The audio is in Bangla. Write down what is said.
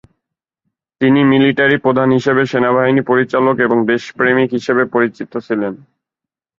তিনি মিলিটারি প্রধান হিসেবে সেনাবাহিনী পরিচালক এবং দেশপ্রেমিক হিসেবে পরিচিত ছিলেন।